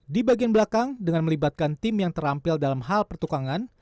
di bagian belakang dengan melibatkan tim yang terampil dalam hal pertukangan